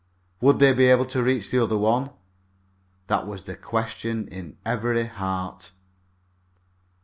Would they be able to reach the other one! That was the question in every heart.